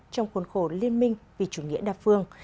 trong khuôn khổ liên minh vì chủ nghĩa đa phương